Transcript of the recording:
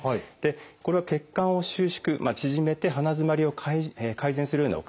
これは血管を収縮縮めて鼻づまりを改善するようなお薬になってます。